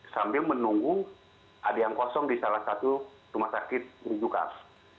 sambil menunggu ada yang kosong di salah satu rumah sakit rujukan